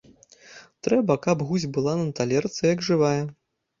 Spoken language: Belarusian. Трэба, каб гусь была на талерцы як жывая.